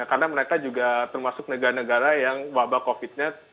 karena mereka juga termasuk negara negara yang wabah covid sembilan belas